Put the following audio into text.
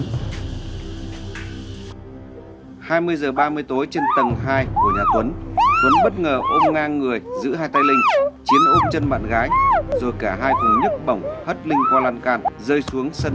hai mươi h ba mươi tối trên tầng hai của nhà tuấn tuấn bất ngờ ôm ngang người giữ hai tay linh chiến ôm chân bạn gái rồi cả hai cùng nhức bỏng hất linh qua lằn cạn rơi xuống sân trước nhà